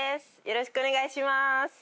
よろしくお願いします